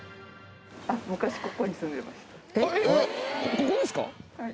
ここですか？